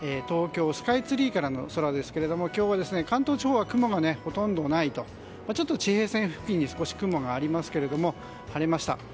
東京スカイツリーからの空ですが今日は関東地方は雲がほとんどなくちょっと地平線付近に雲がありますが晴れました。